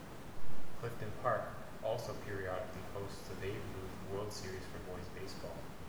Clifton Park also periodically hosts the Babe Ruth World Series for boys baseball.